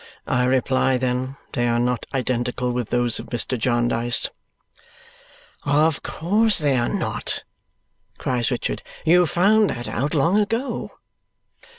I reply, then, they are not identical with those of Mr. Jarndyce." "Of course they are not!" cries Richard. "You found that out long ago."